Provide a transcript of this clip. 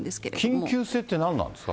緊急性って何なんですか？